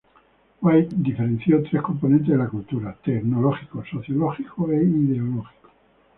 White diferenció tres componentes de la cultura: tecnológico, sociológico e ideológico.